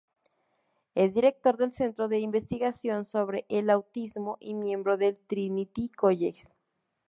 Es director del Centro de Investigación sobre el Autismo y miembro del Trinity College.